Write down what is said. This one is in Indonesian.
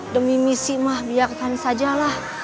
demi misi mah biarkan sajalah